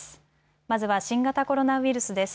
まずは新型コロナウイルスです。